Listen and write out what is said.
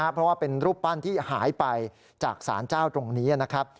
เพราะว่าเป็นรูปปั้นที่หายไปจากศาลเจ้าตรงนี้นะครับ